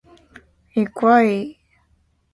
非自由软件泛滥成灾